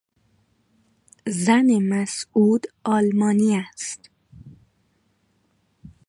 زن مسعود آلمانی است.